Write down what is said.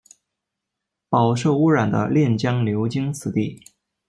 饱受污染的练江流经此地。